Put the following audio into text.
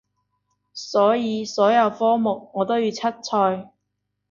所以所有科目我都要出賽